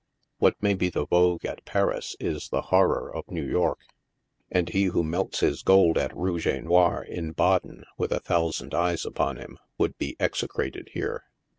What may be the vogue at Paris is the horror of New York, and he who melts his gold at rouge et noir in Baden, with a thousand eyes upon him, would be execrated here.